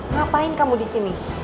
ngapain kamu disini